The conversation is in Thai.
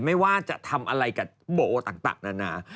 ไม่ว่าจะทำอะไรกับโบต่างนานา